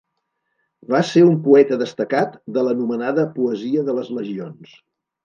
Va ser un poeta destacat de l'anomenada "Poesia de les Legions".